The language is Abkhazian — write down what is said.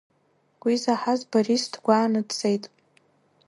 Уи заҳаз Борис дгәааны дцеит.